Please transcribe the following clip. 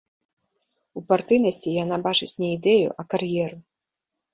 У партыйнасці яна бачыць не ідэю, а кар'еру.